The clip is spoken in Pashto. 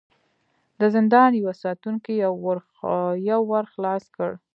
د زندان يوه ساتونکي يو ور خلاص کړ.